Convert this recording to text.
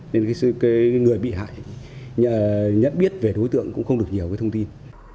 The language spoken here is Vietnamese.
nên người bị hại nhận biết về đối tượng cũng không được nhiều cái thông tin